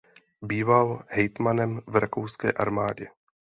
Býval hejtmanem v rakouské armádě.